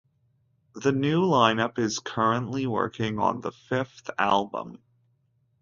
The new lineup is currently working on the fifth album.